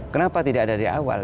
kenapa tidak ada di awal